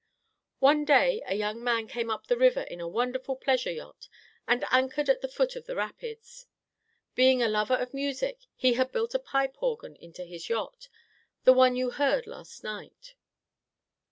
"One day a young man came up the river in a wonderful pleasure yacht and anchored at the foot of the rapids. Being a lover of music, he had built a pipe organ into his yacht; the one you heard last night."